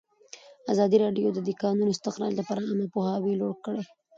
ازادي راډیو د د کانونو استخراج لپاره عامه پوهاوي لوړ کړی.